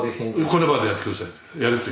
この場でやって下さいと。